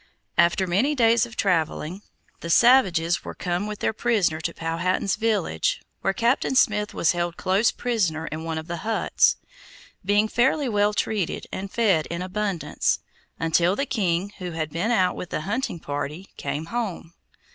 After many days of traveling, the savages were come with their prisoner to Powhatan's village, where Captain Smith was held close prisoner in one of the huts, being fairly well treated and fed in abundance, until the king, who had been out with a hunting party, came home.